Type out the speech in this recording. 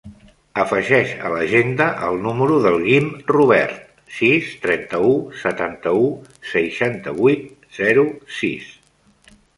Afegeix a l'agenda el número del Guim Robert: sis, trenta-u, setanta-u, seixanta-vuit, zero, sis.